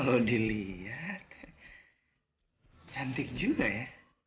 nona mau pergi kemana ya